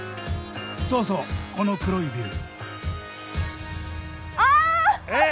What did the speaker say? そうそうこの黒いビル。あっ！